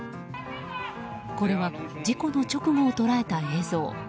これは、事故の直後を捉えた映像。